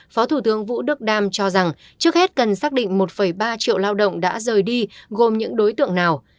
phó thủ tướng vũ đức đam cho rằng trước hết cần xác định một ba triệu lao động đã rời đi gồm những đối tượng nào